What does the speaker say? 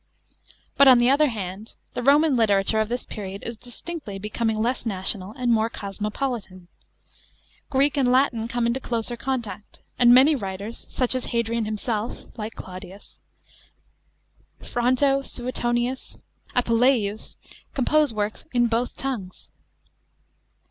But on the other hand, the Roman literature of this period is distinctly becoming less national and more cosmopolitan. Greek and Latin come into closer contact, and many writers — such as Hadrian himself (like Claudius), Fronto, Suetonius, Apuleius — compose works in both tongues.